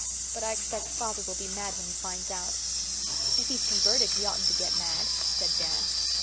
But I expect father will be mad when he finds out." "If he's converted he oughtn't to get mad," said Dan.